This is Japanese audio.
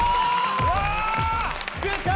出た！